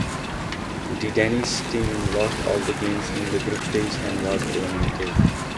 The Danish team lost all the games in the group stage and was eliminated.